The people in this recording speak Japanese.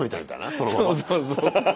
そうそうそう。